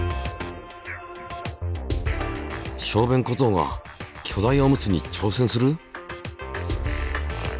小便小僧が巨大オムツに挑戦する？